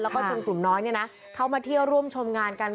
แล้วก็จนกลุ่มน้อยเข้ามาเที่ยวร่วมชมงานกัน